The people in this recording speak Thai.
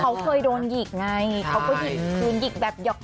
เขาเคยโดนหยิกไงเขาก็หยิกคืนหยิกแบบหยอก